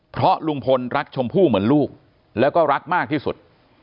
เพราะลุงพลรักชมพู่เหมือนลูกแล้วก็รักมากที่สุด